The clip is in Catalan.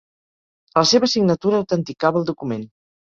La seva signatura autenticava el document.